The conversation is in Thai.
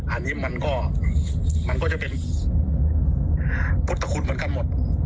อันนี้มันก็มันก็จะเป็นพุทธคุณเหมือนกันหมด